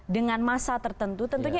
dengan masa tertentu tentunya